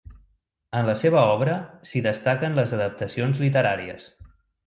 En la seva obra s'hi destaquen les adaptacions literàries.